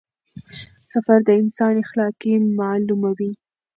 سفر د انسان اخلاق معلوموي.